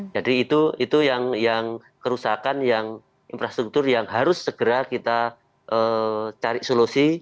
jadi itu yang kerusakan infrastruktur yang harus segera kita cari solusi